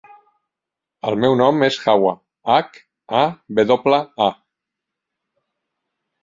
El meu nom és Hawa: hac, a, ve doble, a.